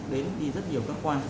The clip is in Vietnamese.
đến đi rất nhiều các quan